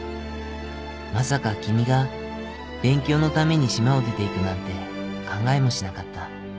まさか君が勉強のために島を出て行くなんて考えもしなかった。